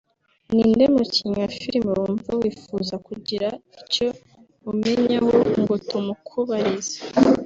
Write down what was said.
Ni inde mukinnyi wa filime wumva wifuza kugira icyo umenyaho ngo tumukubarize